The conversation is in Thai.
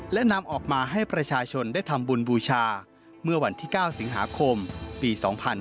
และนำออกมาให้ประชาชนได้ทำบุญบูชาเมื่อวันที่๙สิงหาคมปี๒๕๕๙